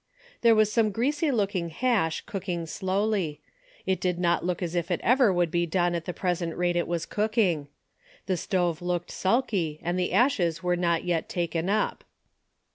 There was some greasy looking hash cooking DAILY BATE.'' 71 slowly. It did not look as if it ever would be done at the present rate it was cooking. The stove looked sulky and the ashes were not yet taken up.